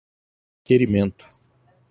requerimento